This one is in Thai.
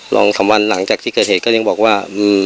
สองสามวันหลังจากที่เกิดเหตุก็ยังบอกว่า